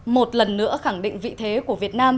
một lần nữa khẳng định vị thế của việt nam